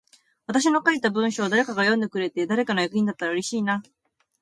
私の書いた文章を誰かが読んでくれて、誰かの役に立ったら嬉しいな。